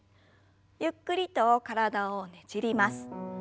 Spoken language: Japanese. ゆっくりと体をねじります。